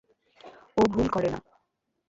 ও ভুল করে না।